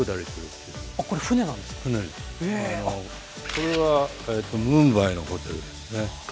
これはムンバイのホテルですね。